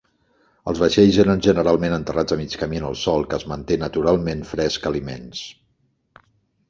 Els vaixells eren generalment enterrats a mig camí en el sòl que es manté naturalment fresc aliments.